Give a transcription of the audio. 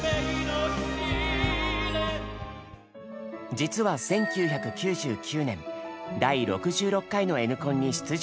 実は１９９９年第６６回の「Ｎコン」に出場した経験が。